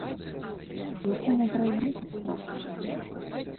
Якому прайграць не страшна.